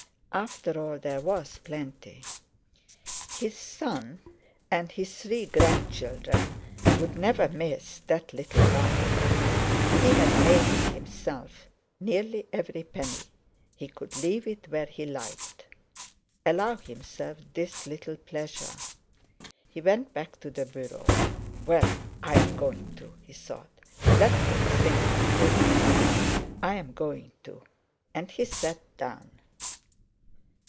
After all, there was plenty; his son and his three grandchildren would never miss that little lump. He had made it himself, nearly every penny; he could leave it where he liked, allow himself this little pleasure. He went back to the bureau. "Well, I'm going to," he thought, "let them think what they like. I'm going to!" And he sat down.